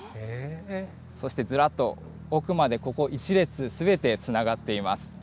そしてずらっと奥までここ１列、すべてつながっています。